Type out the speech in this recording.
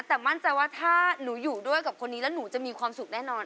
แต่มั่นใจว่าถ้าหนูอยู่ด้วยกับคนนี้แล้วหนูจะมีความสุขแน่นอน